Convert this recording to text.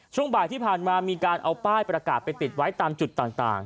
ช่วงบ่ายที่ผ่านมามีการเอาป้ายประกาศไปติดไว้ตามจุดต่าง